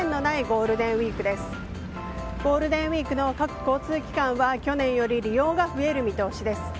ゴールデンウィークの各交通機関は去年より利用が増える見通しです。